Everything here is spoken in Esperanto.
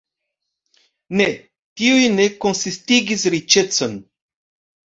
Ne, tiuj ne konsistigis riĉecon.